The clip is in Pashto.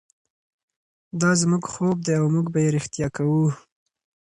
دا زموږ خوب دی او موږ به یې ریښتیا کړو.